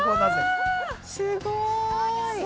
◆すごい。